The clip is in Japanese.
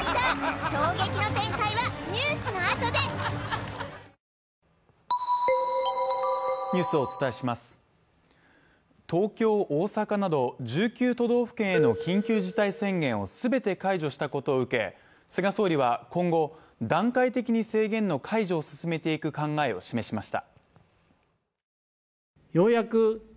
衝撃の展開はニュースのあとで東京、大阪など１９都道府県への緊急事態宣言を全て解除したことを受け、菅総理は今後、段階的に制限の解除を進めていく考えを示しました。